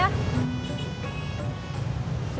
sebentar aja kok bang